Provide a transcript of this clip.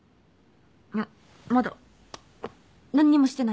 いやまだ何にもしてないから。